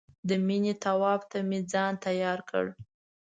د مینې طواف ته مې ځان تیار کړ.